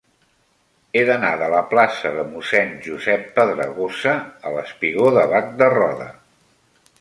He d'anar de la plaça de Mossèn Josep Pedragosa al espigó de Bac de Roda.